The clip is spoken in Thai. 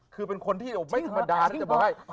คือเป็นคนที่ไม่ธรรมดาที่จะบอกให้